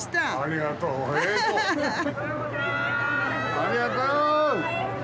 ありがとう！